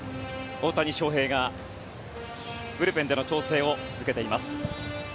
大谷翔平がブルペンでの調整を続けています。